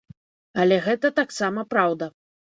Але гэта таксама праўда.